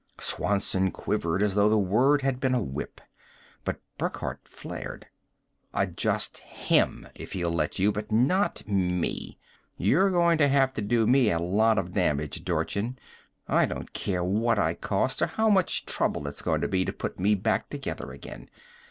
Swanson quivered as though the word had been a whip; but Burckhardt flared: "Adjust him, if he'll let you but not me! You're going to have to do me a lot of damage, Dorchin. I don't care what I cost or how much trouble it's going to be to put me back together again.